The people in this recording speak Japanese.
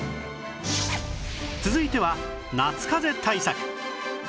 続いては夏かぜ対策